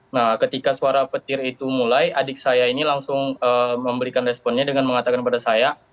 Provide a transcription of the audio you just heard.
nah ketika suara petir itu mulai adik saya ini langsung memberikan responnya dengan mengatakan pada saya